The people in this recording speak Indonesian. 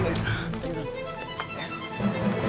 kadang kes grants